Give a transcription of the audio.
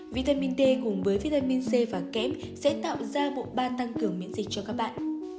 vitamin t cùng với vitamin c và kép sẽ tạo ra bộ ba tăng cường miễn dịch cho các bạn